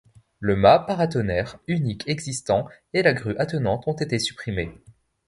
Le mât paratonnerre unique existant et la grue attenante ont été supprimés.